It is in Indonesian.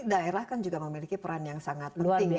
tapi daerah kan juga memiliki peran yang sangat penting